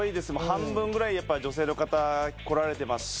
半分ぐらいやっぱ女性の方来られてますし。